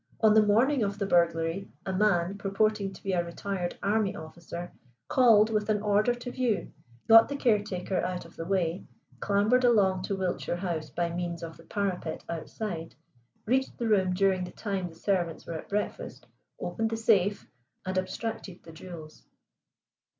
"On the morning of the burglary a man, purporting to be a retired army officer, called with an order to view, got the caretaker out of the way, clambered along to Wiltshire house by means of the parapet outside, reached the room during the time the servants were at breakfast, opened the safe, and abstracted the jewels."